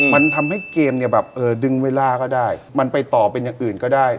มันทำให้เกมเนี่ยแบบเออดึงเวลาก็ได้มันไปต่อเป็นอย่างอื่นก็ได้